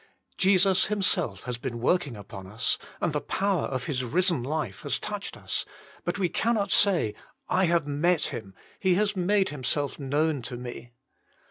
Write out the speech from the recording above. Jesus Himself has been working upon us, and the power of his risen life has touched us, but we cannot say, I have met Him. He has made Himself known to me.